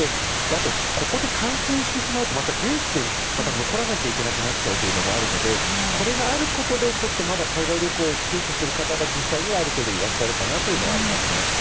あと、ここで感染してしまうとまた現地で残らなきゃいけなくなっちゃうというのもあるのでこれがあることでまだ海外旅行をちゅうちょする方が実際にはある程度いらっしゃるかなというのはありますね。